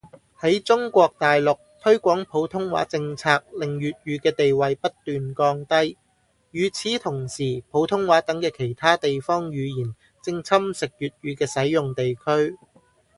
喺中國大陸，推廣普通話政策令粵語嘅地位不斷降低，與此同時普通話等嘅其他地方語言正侵蝕粵語嘅使用地區